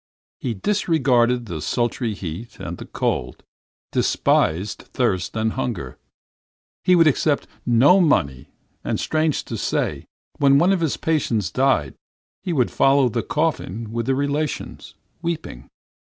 He disregarded the sultry heat and the cold, despised thirst and hunger. He would accept no money and strange to say, when one of his patients died, he would follow the coffin with the relations, weeping.